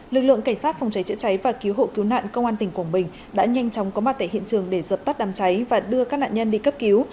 lực lượng cảnh sát phòng cháy chữa cháy và cứu hộ cứu nạn công an tỉnh quảng bình đã nhanh chóng có mặt tại hiện trường để dập tắt đám cháy và đưa các nạn nhân đi cấp cứu